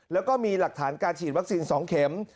แล้วก็มีหลักฐานการฉีดวัคซีน๒เข็ม